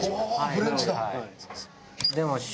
フレンチだ！